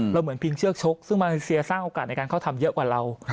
เหมือนพิงเชือกชกซึ่งมาเลเซียสร้างโอกาสในการเข้าทำเยอะกว่าเรา